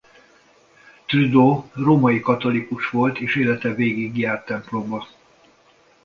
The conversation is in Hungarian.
Trudeau római katolikus volt és élete végéig járt templomba.